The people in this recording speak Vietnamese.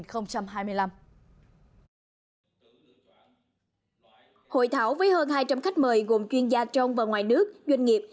hội thảo với hơn hai trăm linh khách mời gồm chuyên gia trong và ngoài nước doanh nghiệp